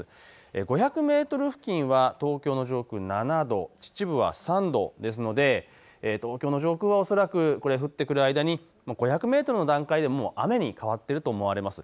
５００メートル付近は東京の上空７度、秩父は３度ですので東京の上空は恐らく、降ってくる間に５００メートルの段階でもう雨に変わっていると思われます。